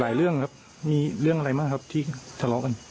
เรื่องครับมีเรื่องอะไรบ้างครับที่ทะเลาะกัน